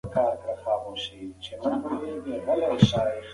ملکیار د خپلې محبوبې لپاره دعا کوي.